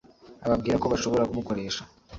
ababwira ko bashobora kumukoresha